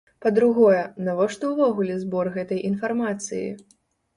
Па-другое, навошта ўвогуле збор гэтай інфармацыі?